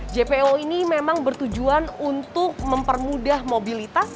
jpo ini memang bertujuan untuk mempermudah mobilitas